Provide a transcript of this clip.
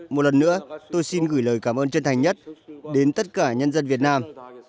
một lần nữa tôi xin gửi lời cảm ơn chân thành nhất đến tất cả nhân dân việt nam